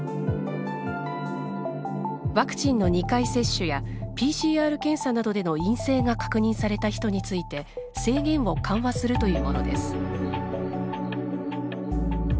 ワクチンの２回接種やＰＣＲ検査などでの陰性が確認された人について制限を緩和するというものです。